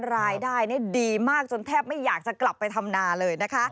รายได้ดีมากจนแทบไม่อยากจะกลับไปทำนาเลยนะคะ